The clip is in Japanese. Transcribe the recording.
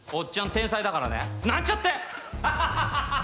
天才だからねなんちゃってハハハハハ